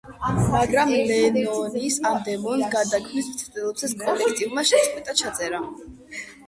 მაგრამ ლენონის ამ დემოს გარდაქმნის მცდელობისას კოლექტივმა შეწყვიტა ჩაწერა.